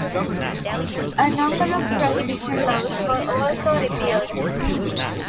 A number of prohibition laws were also repealed.